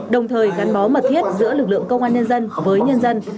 đồng thời gắn bó mật thiết giữa lực lượng công an nhân dân với nhân dân